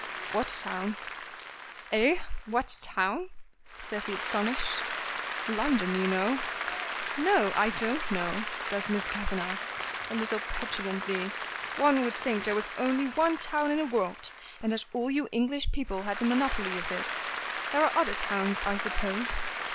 "What town?" "Eh? What town?" says he astonished. "London, you know." "No, I don't know," says Miss Kavanagh, a little petulantly. "One would think there was only one town in the world, and that all you English people had the monopoly of it. There are other towns, I suppose.